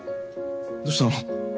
どうしたの？